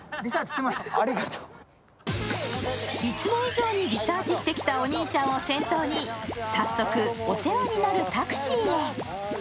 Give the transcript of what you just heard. いつも以上にリサーチしてきたお兄ちゃんを先頭に早速お世話になるタクシーへ。